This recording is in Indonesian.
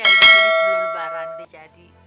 umi silahkan duduk